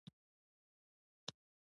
افغانستان په د کلیزو منظره باندې تکیه لري.